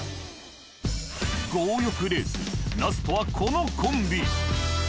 強欲レースラストはこのコンビ。